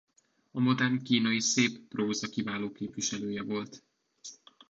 A modern kínai széppróza kiváló képviselője volt.